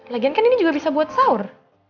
lagian kan ini juga bisa buat sahur